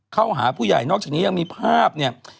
เข้าหาผู้ใหญ่นอกจากนี้ยังมีภาพเนี่ย